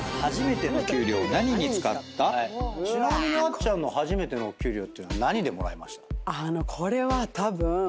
あっちゃんの初めてのお給料というのは何でもらいました？